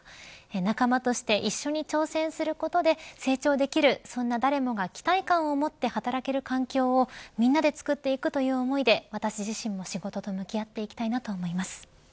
仲間として一緒に挑戦することで成長できるそんな誰もが期待感を持って働ける環境をみんなで作っていくという思いで私自身も仕事と向き合っていきたいと思います。